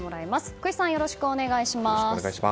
福井さん、よろしくお願いします。